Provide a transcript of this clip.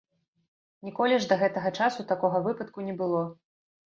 Ніколі ж да гэтага часу такога выпадку не было.